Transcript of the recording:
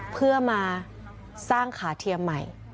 เพื่อมาสร้างขาเทียมใหม่